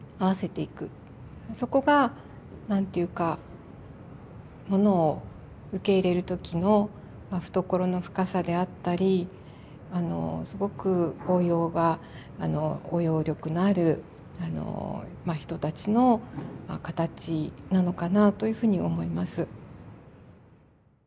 そこが何て言うかものを受け入れる時の懐の深さであったりすごく包容が包容力のある人たちの形なのかなというふうに思います。